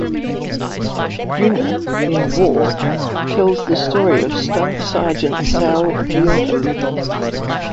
Junger in "War", tells the story of Staff Sergent Sal Giunta.